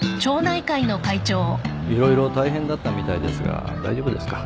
色々大変だったみたいですが大丈夫ですか？